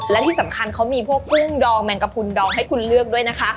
และที่สำคัญเขามีพวกกุ้งดองแมงกระพุนดองให้คุณเลือกด้วยนะคะ